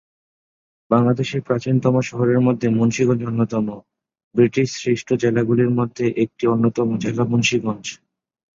বাংলাদেশের প্রাচীনতম শহরের মধ্যে মুন্সিগঞ্জ অন্যতম, ব্রিটিশ সৃষ্ট জেলাগুলির মধ্যে একটি অন্যতম জেলা মুন্সিগঞ্জ।